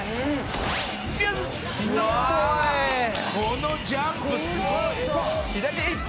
「このジャンプすごい！」